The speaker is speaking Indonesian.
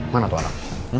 mana tuh anak